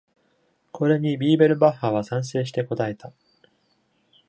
これにビーベルバッハは賛成して答えた。